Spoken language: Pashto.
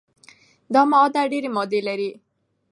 دا معاهده ډیري مادې لري.